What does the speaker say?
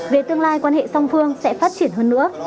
về tương lai quan hệ song phương sẽ phát triển hơn nữa